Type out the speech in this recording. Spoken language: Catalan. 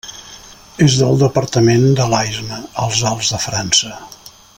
És del departament de l'Aisne, als Alts de França.